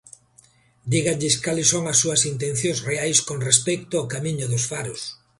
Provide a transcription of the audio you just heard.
Díganlles cales son as súas intencións reais con respecto ao Camiño dos Faros.